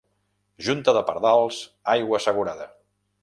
Junta de pardals, aigua assegurada.